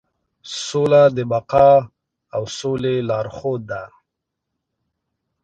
سوله د بقا او سولې لارښود ده.